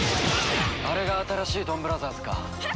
あれが新しいドンブラザーズか。